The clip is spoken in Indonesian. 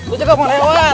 gue juga mau lewat